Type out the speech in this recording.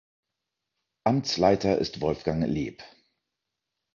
Amtsleiter ist Wolfgang Leeb.